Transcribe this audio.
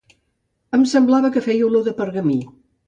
Em semblava que feia olor de pergamí.